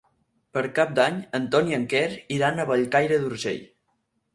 Per Cap d'Any en Ton i en Quer iran a Bellcaire d'Urgell.